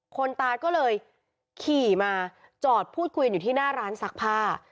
คนตายก็เลยขี่มาจอดพูดคุยอยู่ที่หน้าร้านซักผ้า